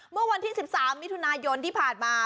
เมื่อวันที่๑๓มิถุนายนที่ผ่านมา